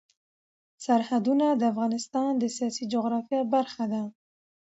سرحدونه د افغانستان د سیاسي جغرافیه برخه ده.